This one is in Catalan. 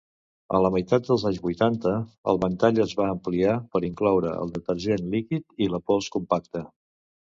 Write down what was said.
A la meitat dels anys vuitanta el ventall es va ampliar per incloure el detergent líquid i la pols compacta.